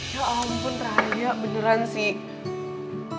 ya ampun raha beneran sih